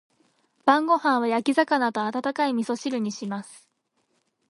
晩ご飯は焼き魚と温かい味噌汁にします。